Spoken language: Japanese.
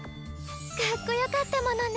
かっこよかったものね。